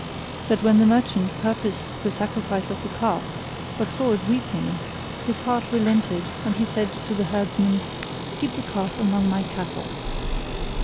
that when the merchant purposed the sacrifice of the calf but saw it weeping, his heart relented and he said to the herdsman, "Keep the calf among my cattle."